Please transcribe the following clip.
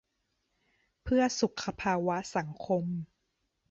'เพื่อสุขภาวะสังคม'